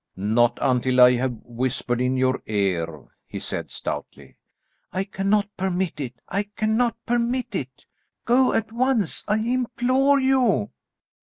"Not until I have whispered in your ear," he said stoutly. "I cannot permit it; I cannot permit it. Go, go at once, I implore you."